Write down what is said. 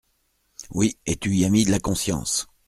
Oui ! et tu y a mis de la conscience…